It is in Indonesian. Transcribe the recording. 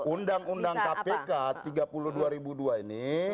undang undang kpk tiga puluh dua ribu dua ini